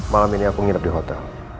malam ini aku nginep di hotel